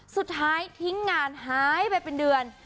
สุดท้ายทิ้งงานหายไปเป็นเดือน